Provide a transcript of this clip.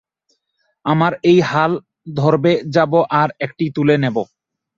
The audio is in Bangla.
আমরা এই হল ধরে যাব আর একটা তুলে নেব।